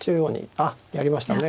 あっやりましたね。